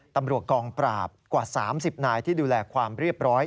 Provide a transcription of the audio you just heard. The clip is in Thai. ตำรวจกองปราบกว่า๓๐นายที่ดูแลความเรียบร้อย